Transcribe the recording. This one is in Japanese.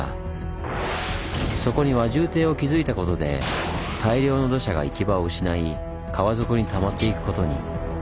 そこに輪中堤を築いたことで大量の土砂が行き場を失い川底にたまっていくことに。